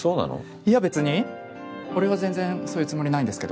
いやべつに俺は全然そういうつもりないんですけど。